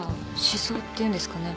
死相っていうんですかね。